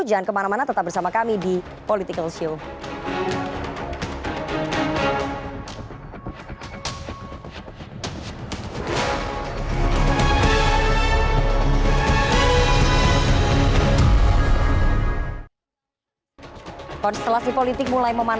jangan kemana mana tetap bersama kami di political show